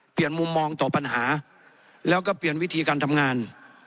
มุมมองต่อปัญหาแล้วก็เปลี่ยนวิธีการทำงาน